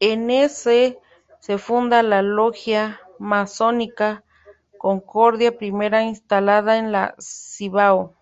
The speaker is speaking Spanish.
En ese se funda la Logia Masónica Concordia, primera instalada en el Cibao.